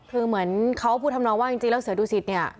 คือเหมือนเขาพูดทำนองว่าจริงแล้วเสือดุสิตเนี่ย